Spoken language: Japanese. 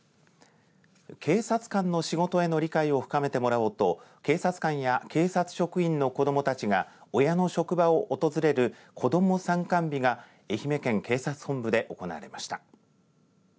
警察官の仕事への理解を深めてもらおうと警察官や警察職員の子どもたちが親の職場を訪れる子ども参観日が愛媛県警察本部で行われました。